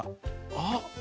あっ。